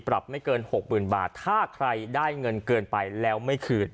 ปรับไม่เกินหกหมื่นบาทถ้าใครได้เงินเกินไปแล้วไม่คืน